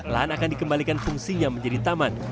lahan akan dikembalikan fungsinya menjadi taman